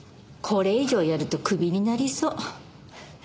これ以上やるとクビになりそう。